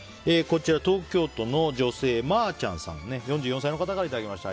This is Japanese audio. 東京都の女性、４４歳の方からいただきました。